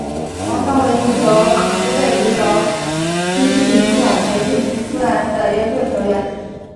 王霜为湖北足协青训系统培养出来的优秀球员。